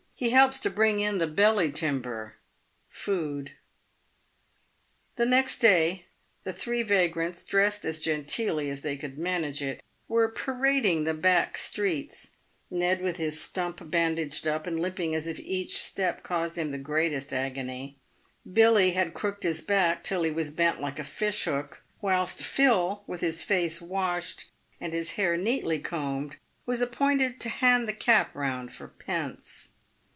He helps to bring in the 'belly timber' " (food). 270 EAVED WITH GOLD. The next day, the three vagrants, dressed as genteelly as they could manage it, were parading the back streets, Ned with his stump bandaged up, and limping as if each step caused him the greatest agony. "Billy had crooked his back, till he was bent like a fish hook, whilst Phil, with his face washed, and his hair neatly combed, was appointed to hand the cap round for pence.